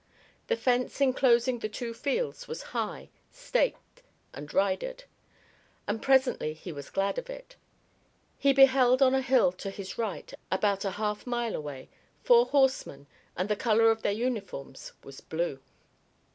The fence enclosing the two fields was high, staked, and ridered, and presently he was glad of it. He beheld on a hill to his right, about a half mile away, four horsemen, and the color of their uniforms was blue.